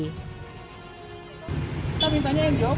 tiga puluh juta keberatan berapa ya kan ada dialog